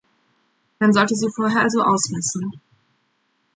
Man sollte sie vorher also ausmessen.